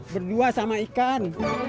berdua sama ikan